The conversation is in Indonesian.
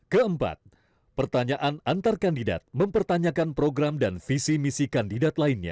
keempat pertanyaan antar kandidat mempertanyakan program dan visi misi kandidat lainnya